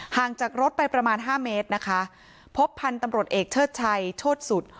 งจากรถไปประมาณห้าเมตรนะคะพบพันธุ์ตำรวจเอกเชิดชัยโชธสุด